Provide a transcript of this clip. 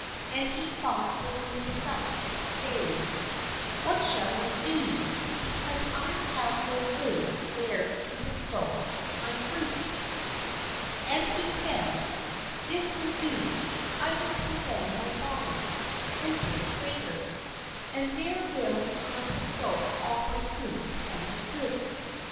And he thought within himself, saying: "What shall I do, be THE FOOL AND HIS GOODS cause I have no room where to bestow my fruits?'* And he said : "This will I do: I will pull down my barns, and build greater; and there will I bestow all my fruits and my goods.